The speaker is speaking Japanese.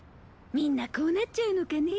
みんなこうなっちゃうのかね